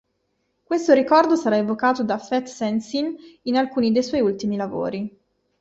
Questo ricordo sarà evocato da Fet-Šenšin in alcuni dei suoi ultimi lavori.